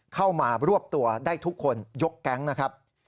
เข้ามารวบตัวได้ทุกคนยกแก๊งนะครับ